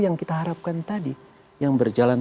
yang kita harapkan tadi yang berjalan